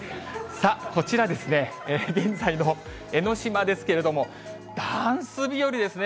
さあ、こちらですね、現在の江の島ですけれども、ダンス日和ですね。